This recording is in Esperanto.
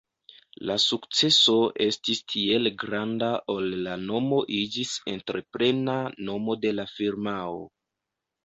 La sukceso estis tiel granda ol la nomo iĝis entreprena nomo de la firmao.